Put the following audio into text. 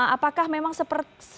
apakah memang seperti